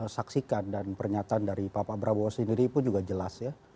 saksikan dan pernyataan dari bapak prabowo sendiri pun juga jelas ya